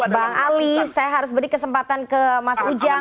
bang ali saya harus beri kesempatan ke mas ujang